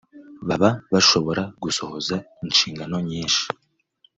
baba bashobora gusohoza inshingano nyinshi